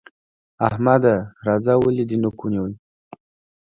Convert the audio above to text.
احمده! راځه ولې دې نوک نيو؟